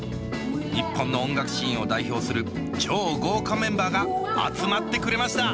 日本の音楽シーンを代表する超豪華メンバーが集まってくれました